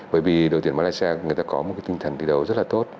bởi vì đội tuyển malaysia người ta có một tinh thần thi đấu rất là tốt